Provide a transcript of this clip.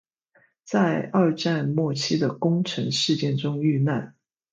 在二战末期的宫城事件中遇难。